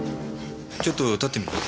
ちょっと立ってみて。